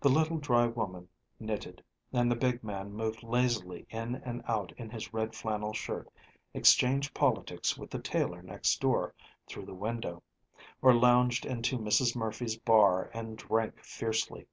The little dry woman knitted, and the big man moved lazily in and out in his red flannel shirt, exchanged politics with the tailor next door through the window, or lounged into Mrs. Murphy's bar and drank fiercely.